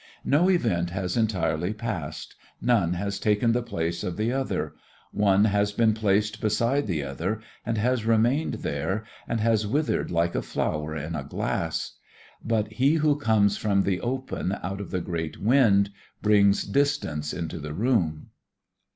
No event has entirely passed, none has taken the place of the other, one has been placed beside the other and has remained there and has withered like a flower in a glass. But he who comes from the open out of the great wind brings distance into the room.